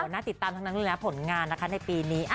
น่าติดตามทั้งนั้นเลยนะผลงานนะคะในปีนี้